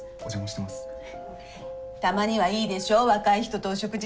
たまにはいいでしょ若い人とお食事するのも。